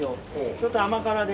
ちょっと甘辛で。